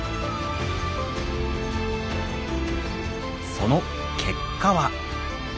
その結果は。